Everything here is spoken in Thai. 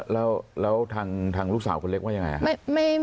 แล้วทางลูกสาวคนเล็กว่ายังไงครับ